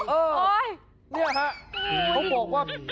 เออนี่ค่ะเขาบอกว่า